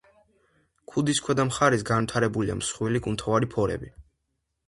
ქუდის ქვედა მხარეს განვითარებულია მსხვილი, კუნთოვანი ფორები.